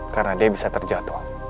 karena dia bisa terjatuh